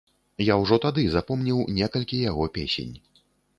Я ўжо тады запомніў некалькі яго песень.